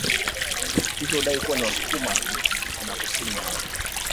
Hivyo hudai kuwa ni wasukuma na kusini yao